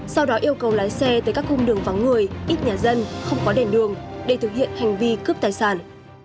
sau đó yêu cầu lái xe tới các cung đường vắng người ít nhà dân không có đèn đường để thực hiện hành vi cướp tài sản